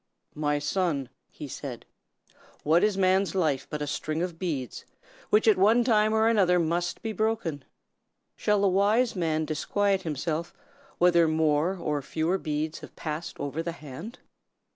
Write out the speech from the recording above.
"My son," he said, "what is man's life but a string of beads, which at one time or another must be broken? Shall the wise man disquiet himself whether more or fewer beads have passed over the hand?"